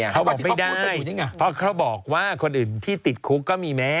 เขาบอกไม่ได้เพราะเขาบอกว่าคนอื่นที่ติดคุกก็มีแม่